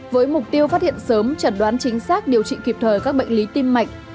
với mục tiêu phát hiện sớm chẩn đoán chính xác điều trị kịp thời các bệnh lý tim mạch